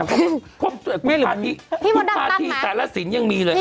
เพราะว่าคุณพาที่คุณพาที่แต่ละศิลป์ยังมีเลยครับคุณพาที่แต่ละศิลป์ยังมีเลยครับ